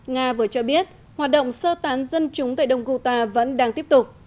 nga vừa cho biết hoạt động sơ tán dân chúng tại đông guta vẫn đang tiếp tục